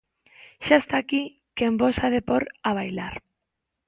Xa está aquí quen vos ha de pór a bailar.